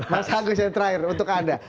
mas agus yang terakhir untuk anda